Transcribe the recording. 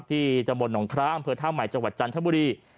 ๓๕๕ที่จมนต์หนองครามเพือนท่าวใหม่จังหวัดจันทบุรี